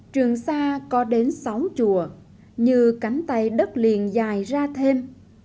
trường sa có đến sáu chùa như cánh tay đất liền dài ra thêm